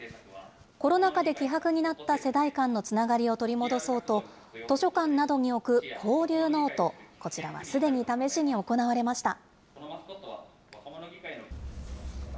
コロナ禍で希薄になった世代間のつながりを取り戻そうと、図書館などに置く交流ノート、こちらはすでに試しに行われました。